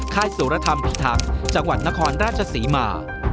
ค่ายสุรธรรมพิทักษ์จังหวัดนครราชศรีมา